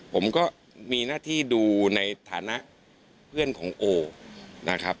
ผมก็มีหน้าที่ดูในฐานะเพื่อนของโอนะครับ